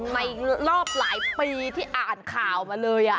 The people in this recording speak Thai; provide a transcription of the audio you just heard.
ในรอบหลายปีที่อ่านข่าวมาเลย